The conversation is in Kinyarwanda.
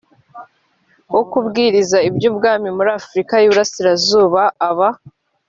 wo kubwiriza iby ubwami muri afurika y iburengerazuba aba